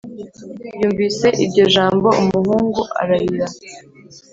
Yumvise iryo jambo Umuhungu ararira